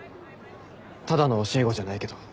ただの教え子じゃないけど。